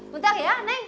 bentar ya neng